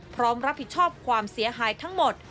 พร้อมรับผิดชอบความเสียหายทั้งหมด